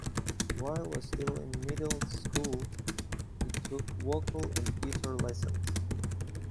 While still in middle school, he took vocal and guitar lessons.